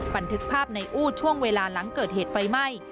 บันทึกภาพในอู้ช่วงเวลาหลังเกิดเหตุไฟไหม้